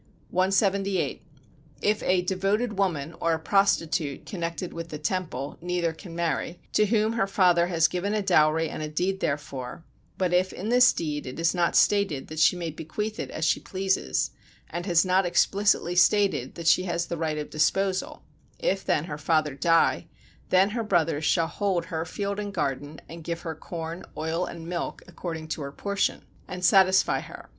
178. If a "devoted woman" or a prostitute [connected with the temple neither can marry] to whom her father has given a dowry and a deed therefor, but if in this deed it is not stated that she may bequeath it as she pleases, and has not explicitly stated that she has the right of disposal; if then her father die, then her brothers shall hold her field and garden, and give her corn, oil and milk according to her portion, and satisfy her.